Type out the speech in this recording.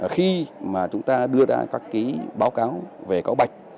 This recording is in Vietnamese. khi mà chúng ta đưa ra các báo cáo về cáo bạch